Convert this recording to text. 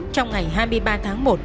trong ngày hai mươi ba tháng một